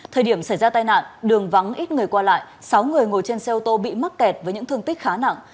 thời điểm xảy ra tai nạn đường vắng ít người qua lại sáu người ngồi trên xe ô tô bị mắc kẹt với những thương tích khá nặng